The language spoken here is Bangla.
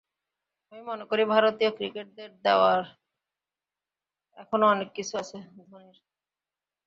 আমি মনে করি, ভারতীয় ক্রিকেটকে দেওয়ার এখনো অনেক কিছু আছে ধোনির।